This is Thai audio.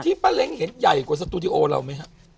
ป้าเล้งเห็นใหญ่กว่าสตูดิโอเราไหมครับ